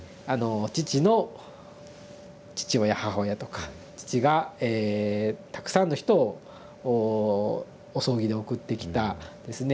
父の父親母親とか父がえたくさんの人をお葬儀で送ってきたですね